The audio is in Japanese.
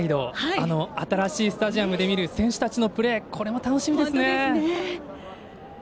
あの新しいスタジアムで見る選手たちのプレーこれも楽しみですね。